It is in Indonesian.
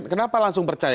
kenapa langsung percaya